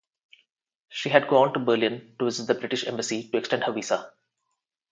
She had gone to Berlin to visit the British embassy to extend her visa.